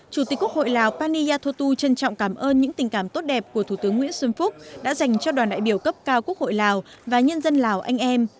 chủ tịch quốc hội lào pani yathotu trân trọng cảm ơn những tình cảm tốt đẹp của thủ tướng nguyễn xuân phúc đã dành cho đoàn đại biểu cấp cao quốc hội lào và nhân dân lào anh em